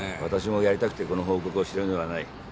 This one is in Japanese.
私もやりたくてこの報告をしてるのではない。